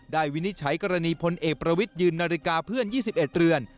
วินิจฉัยกรณีพลเอกประวิทยืนนาฬิกาเพื่อน๒๑เรือน